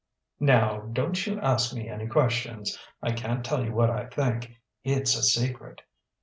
"Now don't you ask me any questions; I can't tell you what I think; it's a secret."